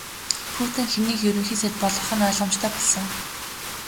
Путин хэнийг Ерөнхий сайд болгох нь ойлгомжтой болсон.